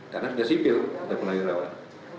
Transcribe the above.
karena sudah sipil sudah mulai rawat